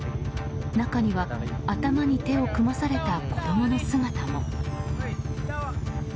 中には頭に手を組まされた子供の姿も。